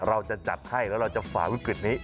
เราจะจัดให้แล้วเราจะฝ่าวิกฤตนี้